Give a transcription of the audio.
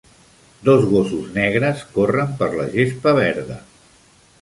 Dos gossos negres corren per la gespa verda.